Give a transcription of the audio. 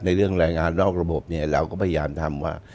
เรื่องรายงานนอกระบบเนี่ยเราก็พยายามทำว่า